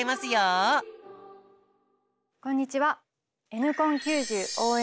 こんにちは。